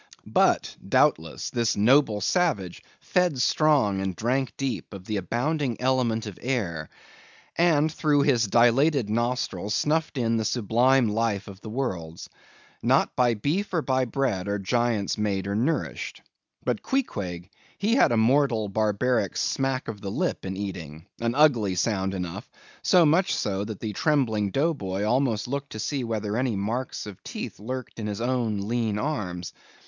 But, doubtless, this noble savage fed strong and drank deep of the abounding element of air; and through his dilated nostrils snuffed in the sublime life of the worlds. Not by beef or by bread, are giants made or nourished. But Queequeg, he had a mortal, barbaric smack of the lip in eating—an ugly sound enough—so much so, that the trembling Dough Boy almost looked to see whether any marks of teeth lurked in his own lean arms.